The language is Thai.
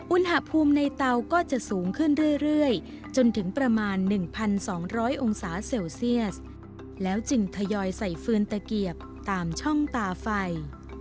อุณหภูมิในเตาก็จะสูงขึ้นเรื่อยจนถึงประมาณ๑๒๐๐องศาเซลเซียสแล้วจึงทยอยใส่ฟืนตะเกียบตามช่องตาไฟ